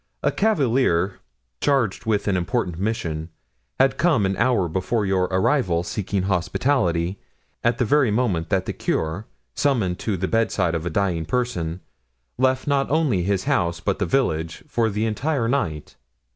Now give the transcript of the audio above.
A cavalier, charged with an important mission, had come an hour before your arrival, seeking hospitality, at the very moment that the curé, summoned to the bedside of a dying person, left not only his house but the village, for the entire night.